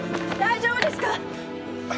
大丈夫ですか！？